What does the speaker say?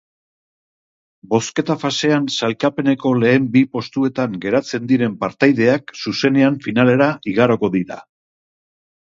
Bozketa fasean sailkapeneko lehen bi postuetan geratzen diren partaideak zuzenean finalera igaroko dira.